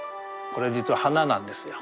これ実は花なんですよ。